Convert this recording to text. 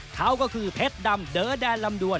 เขาก็คือเพชรดำเดอแดนลำดวน